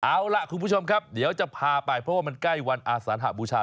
เอาล่ะคุณผู้ชมครับเดี๋ยวจะพาไปเพราะว่ามันใกล้วันอาสานหบูชา